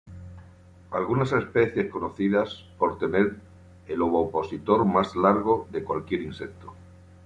Algunas especies conocidas por tener el ovipositor más largo de cualquier insecto.